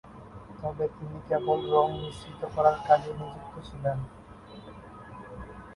তবে তিনি কেবল রঙ মিশ্রিত করার কাজেই নিযুক্ত ছিলেন।